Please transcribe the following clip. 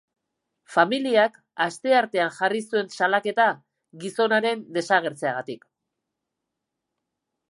Familiak asteartean jarri zuen salaketa, gizonaren desagertzeagatik.